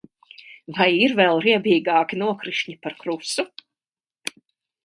Vai ir vēl riebīgāki nokrišņi par krusu?